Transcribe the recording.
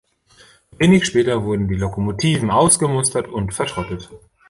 Wenig später wurden die Lokomotiven ausgemustert und verschrottet.